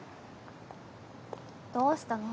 どうしたの？